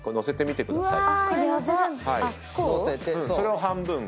それを半分。